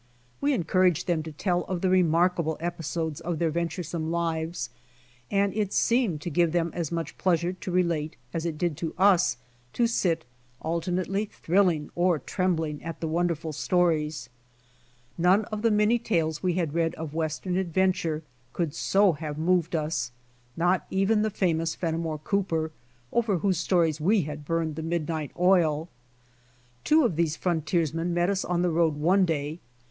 We encouraged them to tell of the remarkable episodes of their venturesome lives, and it seemed to give them as much pleasure to relate as it did us to sit alternately thrilling or trembling at the wonderful stories. None of the many tales we had read of Western adventure could so have moved us, not even the famous Fennimore Cooper, over whose stories we had burned the midnight oil. Two of these frontiersmen met us on the road one day.